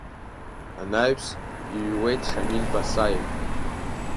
Анаҩс иҩуеит Шамиль Басаев…